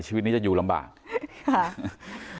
ด้วยเหตุผลอะไรก็แล้วแต่ก็ทำร้ายกันแบบนี้ไม่ได้